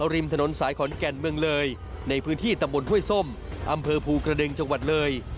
ริมถนนสายขอนแก่นเมืองเลยในพื้นที่ตำบลห้วยส้มอำเภอภูกระดึงจังหวัดเลย